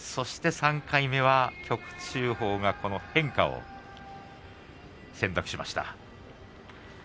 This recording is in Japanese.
３回目は旭秀鵬が変化を選択しました。